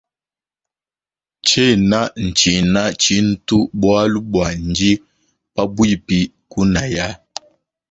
Tshena tshina tshintu bualu bua ndi pabuipi kunaya.